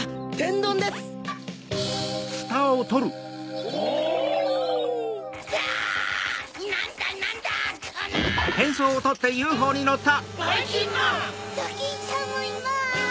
ドキンちゃんもいます！